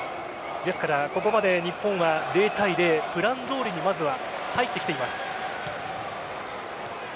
ですから、ここまで日本は０対０プランどおりにまずは入ってきています。